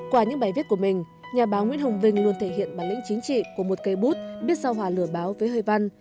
qua những bài viết của mình nhà báo nguyễn hồng vinh luôn thể hiện bản lĩnh chính trị của một cây bút biết sao hòa lửa báo với hơi văn